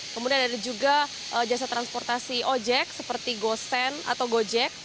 kemudian ada juga jasa transportasi ojek seperti gosen atau gojek